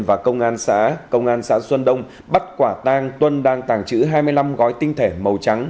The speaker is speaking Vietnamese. và công an xã xuân đông bắt quả tang tuân đang tàng trữ hai mươi năm gói tinh thể màu trắng